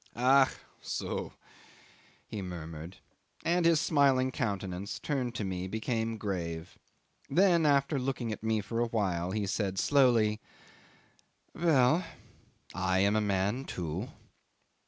'"Ach so!" he murmured, and his smiling countenance, turned to me, became grave. Then after looking at me for a while he said slowly, "Well I am a man too."